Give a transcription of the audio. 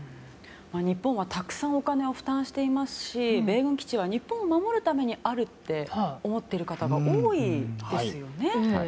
日本はたくさんお金を負担していますし米軍基地は日本を守るためにあると思っている方が多いですよね。